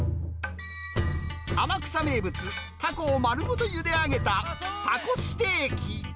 天草名物、タコを丸ごとゆで上げたタコステーキ。